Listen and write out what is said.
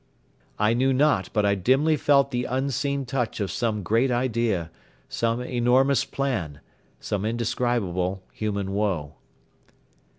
I knew not but I dimly felt the unseen touch of some great idea, some enormous plan, some indescribable human woe.